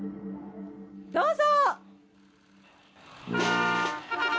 どうぞ！